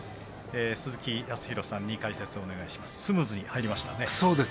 鈴木康弘さんに解説をお願いします。